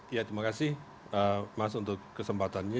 ya terima kasih mas untuk kesempatannya